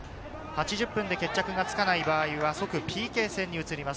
８０分で決着がつかない場合は即ＰＫ戦に移ります。